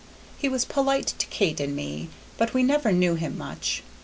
He was polite to Kate and me, but we never knew him much.